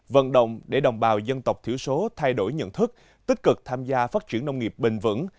vận động để đồng bào dân tộc thiểu số thay đổi nhận thức tích cực tham gia phát triển nông nghiệp bền vững